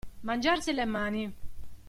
Mangiarsi le mani.